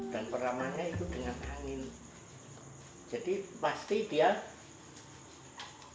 setelah dikuburkan dikuburkan ke ruang pemeraman